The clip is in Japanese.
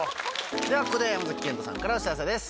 ではここで山賢人さんからお知らせです。